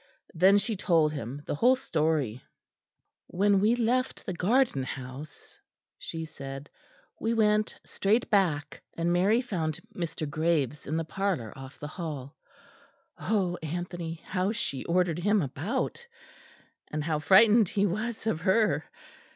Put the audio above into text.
Then she told him the whole story. "When we left the garden house," she said, "we went straight back, and Mary found Mr. Graves in the parlour off the hall. Oh, Anthony, how she ordered him about! And how frightened he was of her!